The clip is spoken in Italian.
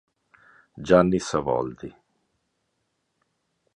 Gianni Savoldi